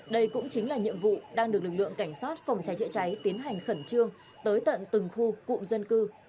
đây cũng chính là nhiệm vụ đang được lực lượng cảnh sát phòng cháy chữa cháy tiến hành khẩn trương tới tận từng khu cụm dân cư